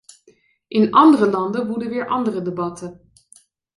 In andere landen woeden weer andere debatten.